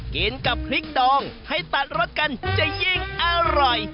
กินกับพริกดองให้ตัดรสกันจะยิ่งอร่อย